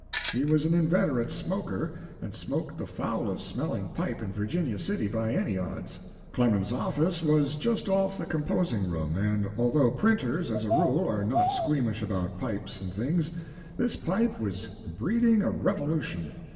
He was an inveterate smoker, and smoked the foulest smelling pipe in Vir ginia City by au odds. Clemens office was just off the composing room, and although printers, as a rule, are not squeamish about pipes and things, this pipe was breeding a revolution.